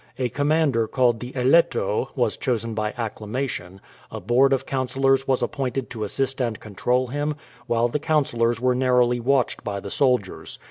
A commander called the "Eletto" was chosen by acclamation, a board of councillors was appointed to assist and control him, while the councillors were narrowly watched by the soldiers.